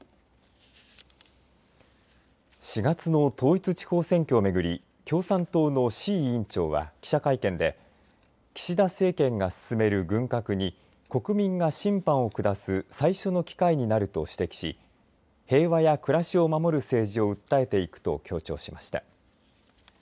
４月の統一地方選挙を巡り共産党の志位委員長は記者会見で岸田政権が進める軍拡に国民が審判を下す最初の機会になると指摘し平和や暮らしを守る政治を訴えていくと強調しました。